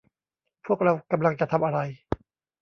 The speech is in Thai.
พวกเรากำลังจะทำอะไร